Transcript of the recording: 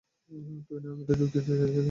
তুই না আর্মিতে যোগ দিতে চেয়েছিলি, বাবা?